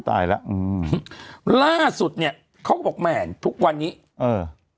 ตายแล้วอืมล่าสุดเนี้ยเขาก็บอกแหมทุกวันนี้เออ